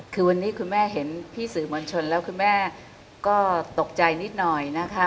คือวันนี้คุณแม่เห็นพี่สื่อมวลชนแล้วคุณแม่ก็ตกใจนิดหน่อยนะคะ